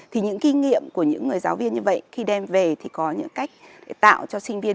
thì những kinh nghiệm của những người giáo viên như vậy khi đem về thì có những cách để tạo cho sinh viên